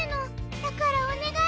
だからおねがい